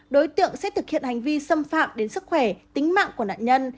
đối tượng sẽ thực hiện hành vi xâm phạm đến sức khỏe tính mạng của nạn nhân